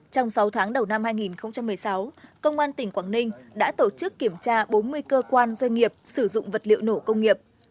trong sáu tháng đầu năm hai nghìn một mươi sáu công an tỉnh quảng ninh đã tổ chức kiểm tra bốn mươi cơ quan doanh nghiệp sử dụng vật liệu nổ công nghiệp